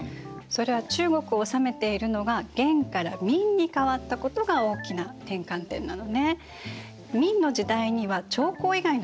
それは中国を治めているのが元から明にかわったことが大きな転換点なのね。